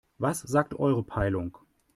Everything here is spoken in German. Was sagt eure Peilung?